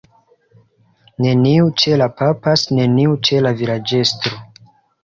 Neniu ĉe la _papas_, neniu ĉe la vilaĝestro.